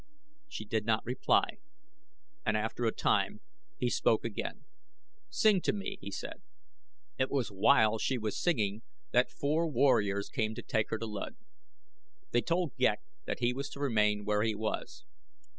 She did not reply and after a time he spoke again. "Sing to me," he said. It was while she was singing that four warriors came to take her to Luud. They told Ghek that he was to remain where he was.